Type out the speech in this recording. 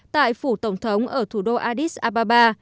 tại phủ tổng thống ở thủ đô addis ababa